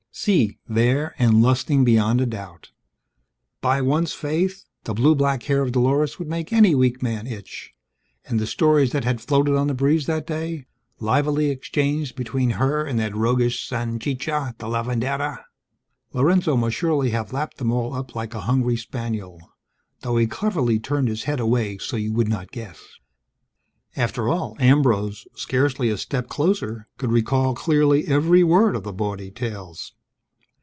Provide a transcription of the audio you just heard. Si, there and lusting beyond a doubt. By one's faith, the blue black hair of Dolores would make any weak man itch; and the stories that had floated on the breeze that day, livelily exchanged between her and that roguish Sanchicha, the lavandera; Lorenzo must surely have lapped them all up like a hungry spaniel, though he cleverly turned his head away so you would not guess. After all, Ambrose, scarcely a step closer, could recall clearly every word of the bawdy tales!